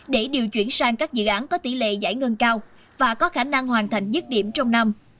để điều chuyển sang các dự án có tỷ lệ giải ngân cao và có khả năng hoàn thành dứt điểm trong năm